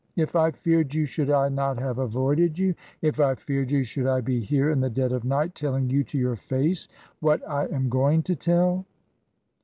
If I feared you, should I not have avoided you? If I feared you, should I be here, in the dead of night, teUing you to your face what I am going to tell?'